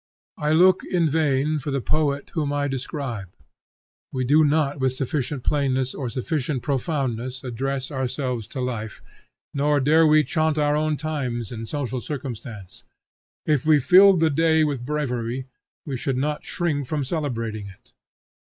I look in vain for the poet whom I describe. We do not with sufficient plainness or sufficient profoundness address ourselves to life, nor dare we chaunt our own times and social circumstance. If we filled the day with bravery, we should not shrink from celebrating it.